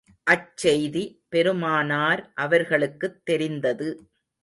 அச்செய்தி பெருமானார் அவர்களுக்குத் தெரிந்தது.